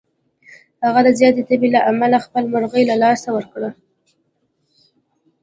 هغه د زیاتې تمې له امله خپله مرغۍ له لاسه ورکړه.